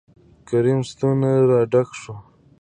کريم ستونى را ډک شو.